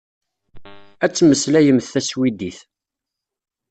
Ad temmeslayemt taswidit.